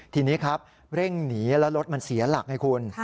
ทีนี้ครับเร่งหนีแล้วรถมันเสียหลักไงคุณ